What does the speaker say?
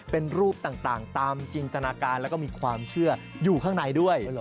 เป็นรูปต่างตามจินตนาการแล้วก็มีความเชื่ออยู่ข้างในด้วย